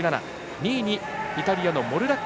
２位、イタリアのモルラッキ。